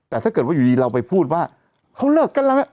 แต่ถ้าเกิดว่าอยู่ดีเราไปพูดว่าเขาเลิกกันแล้ว